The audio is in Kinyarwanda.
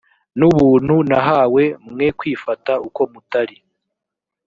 n ubuntu nahawe mwe kwifata uko mutari